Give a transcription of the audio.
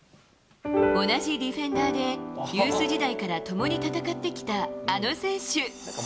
同じディフェンダーで、ユース時代から共に戦ってきたあの選手。